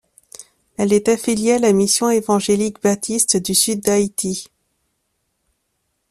Elle est affiliée à la Mission Évangélique Baptiste du Sud d'Haïti.